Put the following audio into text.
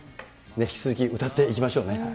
引き続き歌っていきましょうね。